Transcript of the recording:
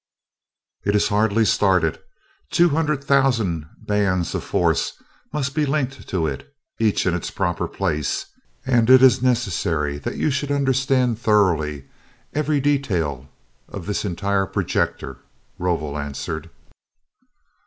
"It is hardly started. Two hundred thousand bands of force must be linked to it, each in its proper place, and it is necessary that you should understand thoroughly every detail of this entire projector," Rovol answered.